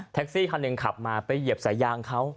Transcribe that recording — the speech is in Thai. แท็กซี่ทางนึงขับมาไปเหยียบสายยางเขา